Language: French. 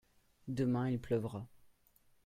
demain il pleuvra.